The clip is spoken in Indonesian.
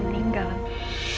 sampai dia udah meninggal